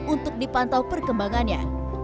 untuk dipantau perkembangannya